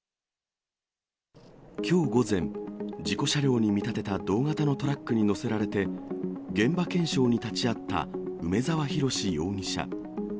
きょう午前、事故車両に見立てた同型のトラックに乗せられて、現場検証に立ち会った梅沢洋容疑者。